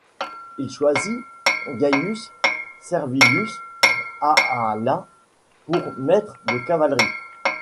Il choisit Gaius Servilius Ahala pour maître de cavalerie.